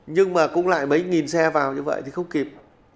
nhưng mà cũng lại mấy nghìn xe vào như vậy thì không kịp